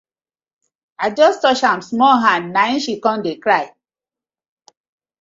I just touch am small hand na im she com dey cry.